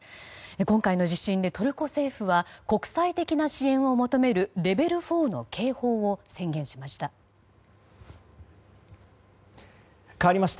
今回の地震でトルコ政府は国際的な支援を求めるレベル４の警報を宣言しました。